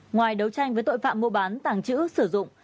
ngoài đấu tranh với tội phạm mua bán tàng trữ sử dụng